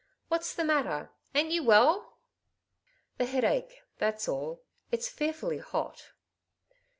" What's the matter ? Ain't you well ?'''' The headache— that's all, It's fearfully hot.''